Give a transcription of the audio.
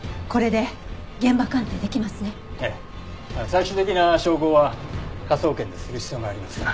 最終的な照合は科捜研でする必要がありますが。